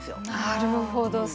なるほど。